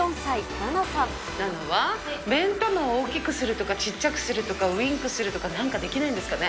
ナナは目ん玉大きくするとか、ちっちゃくするとか、ウィンクするとか、なんかできないんですかね。